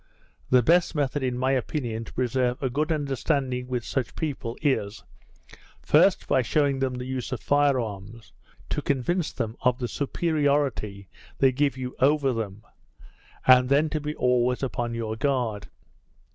The best method, in my opinion, to preserve a good understanding with such people, is, first, by shewing them the use of firearms, to convince them of the superiority they give you over them, and then to be always upon your guard.